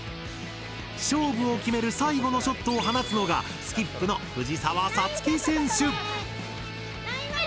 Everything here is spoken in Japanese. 勝負を決める最後のショットを放つのがスキップの藤澤五月選手。